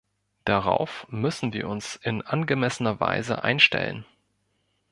Darauf müssen wir uns in angemessener Weise einstellen.